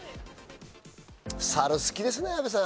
サル好きですね、阿部さん。